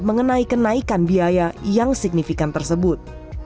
mengenai kenaikan biaya yang signifikan tersebut